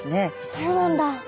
そうなんだ。